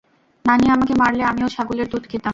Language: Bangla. নানি আমাকে মারলে আমিও ছাগলের দুধ খেতাম।